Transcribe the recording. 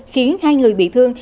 khiến hai người bị thương